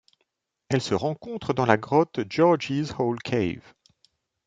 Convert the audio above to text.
Elle se rencontre dans la grotte Georgies Hall Cave.